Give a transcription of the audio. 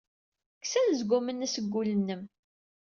Kkes anezgum-nnes seg wul-nnem!